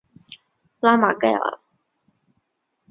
拉马盖尔。